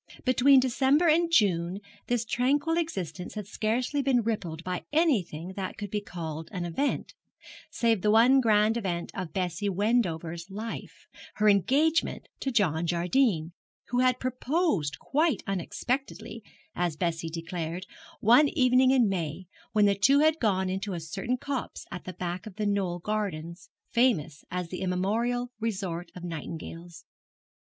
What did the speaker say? Between December and June this tranquil existence had scarcely been rippled by anything that could be called an event, save the one grand event of Bessie Wendover's life her engagement to John Jardine, who had proposed quite unexpectedly, as Bessie declared, one evening in May, when the two had gone into a certain copse at the back of The Knoll gardens, famous as the immemorial resort of nightingales.